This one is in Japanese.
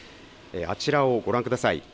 あちらをご覧ください。